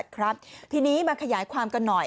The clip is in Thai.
เลือกกระทรวงให้บริษัทครับทีนี้มาขยายความกันหน่อย